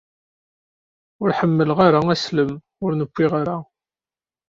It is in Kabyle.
Ur ḥemmleɣ ara aslem ur newwi ara.